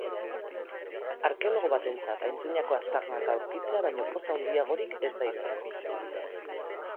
Arkeologo batentzat aintzinako aztarnak aurkitzea baino poz handiagorik ez da izango.